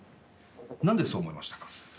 何でそう思いましたか？